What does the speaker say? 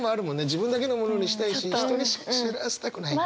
自分だけのものにしたいし人に知らせたくない。